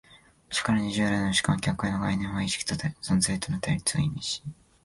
しかるに従来の主観・客観の概念は意識と存在との対立を意味し、